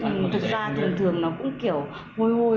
thực ra thường thường nó cũng kiểu hôi hôi